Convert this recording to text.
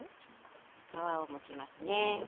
皮をむきますね。